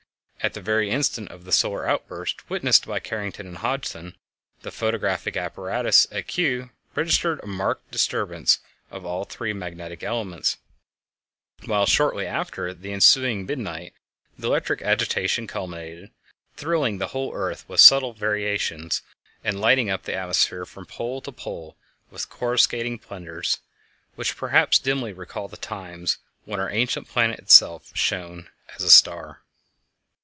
At the very instant of the solar outburst witnessed by Carrington and Hodgson the photographic apparatus at Kew registered a marked disturbance of all the three magnetic elements; while shortly after the ensuing midnight the electric agitation culminated, thrilling the whole earth with subtle vibrations, and lighting up the atmosphere from pole to pole with coruscating splendors which perhaps dimly recall the times when our ancient planet itself shone as a star.